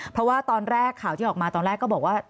เพราะว่าตอนแรกข่าวที่ออกมาตอนแรกก็บอกว่า